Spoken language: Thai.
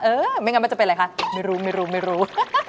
เออไม่งั้นมันจะเป็นอะไรคะไม่รู้